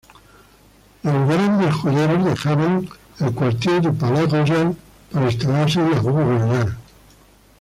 Los grandes joyeros dejaban el Quartier du Palais-Royal para instalarse en la rue Royale.